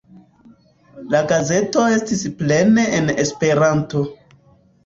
La gazeto estis plene en Esperanto.